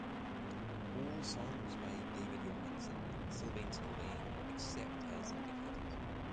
All songs by David Johansen and Sylvain Sylvain except as indicated.